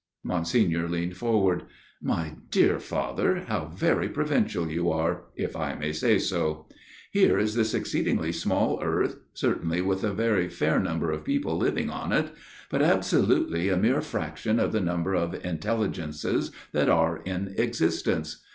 Monsignor leaned forward. " My dear Father, how very provincial you are if I may say so ! Here is this exceedingly small earth, certainly with a very fair number of people living on it but absolutely a mere PROLOGUE 7 fraction of the number of intelligences that are in existence.